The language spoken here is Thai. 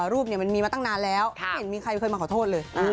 รูปมันมีมาตั้งนานแล้วไม่เห็นมีใครเคยมาขอโทษเลย